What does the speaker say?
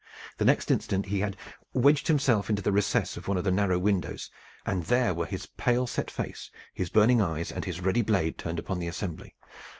The next instant he had wedged himself into the recess of one of the narrow windows, and there were his pale set face, his burning eyes, and his ready blade turned upon the assembly.